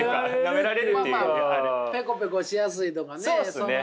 まあまあペコペコしやすいとかね。